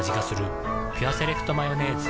「ピュアセレクトマヨネーズ」